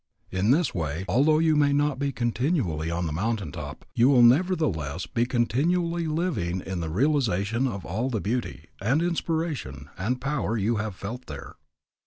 In this way, although you may not be continually on the mountain top, you will nevertheless be continually living in the realization of all the beauty, and inspiration, and power you have felt there.